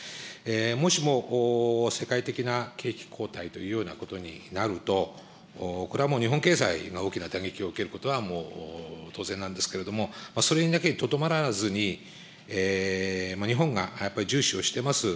もしも世界的な景気後退というようなことになると、これはもう、日本経済が大きな打撃を受けることは当然なんですけれども、それだけにとどまらずに、日本が重視をしています